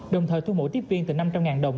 đồng thời thu mổ tiếp viên từ năm trăm linh ngàn đồng